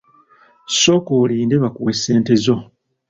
Sooka olinde bakuwe ssente zo.